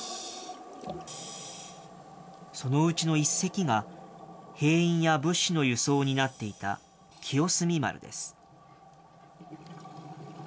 そのうちの１隻が兵員や物資の輸送を担っていた清澄丸です。